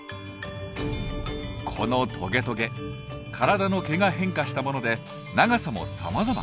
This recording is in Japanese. このトゲトゲ体の毛が変化したもので長さもさまざま。